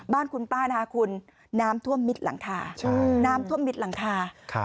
บ้านคุณป้านาคุณน้ำท่วมมิดหลังทา